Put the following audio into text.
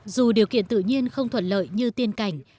dù điều kiện tự nhiên không thuận lợi như tiên cảnh